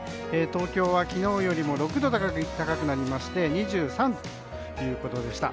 東京は昨日よりも６度高くなり２３度ということでした。